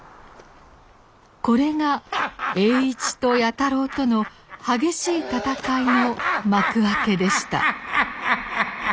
これが栄一と弥太郎との激しい戦いの幕開けでした。